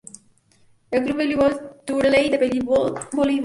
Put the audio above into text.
El Club Voleibol Teruel de voleibol disputa sus partidos en este polideportivo.